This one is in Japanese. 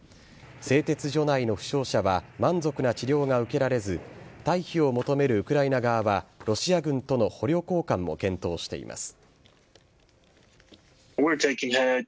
製鉄所内の負傷者は満足な治療が受けられず退避を求めるウクライナ側はロシア軍との捕虜交換も検討しています。